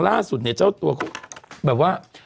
ร่าสุดเนี่ยเจ้าตัว